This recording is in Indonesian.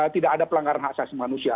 tidak ada pelanggaran hak asasi manusia